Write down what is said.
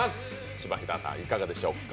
しばひでさん、いかがでしょうか？